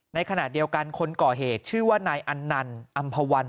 ในขณะเดียวกันคนก่อเหตุชื่อว่านายอันนันอำภาวัน